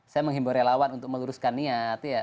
saya menghimbau relawan untuk meluruskan niat